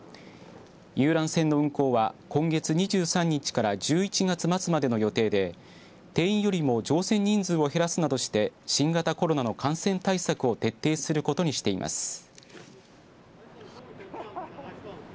遊覧船の運航は今月２３日から１１月末までの予定で定員よりも乗船人数を減らすなどして新型コロナの感染対策を徹底することにしています。